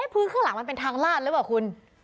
พื้นข้างหลังเป็นทางล่านไหมคุณ